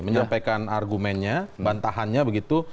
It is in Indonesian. menyampaikan argumennya bantahannya begitu